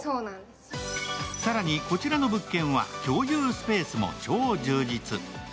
更に、こちらの物件は共有スペースも超充実。